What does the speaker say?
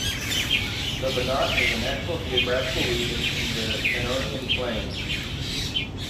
The Banat is a natural geographical region in the Pannonian plain.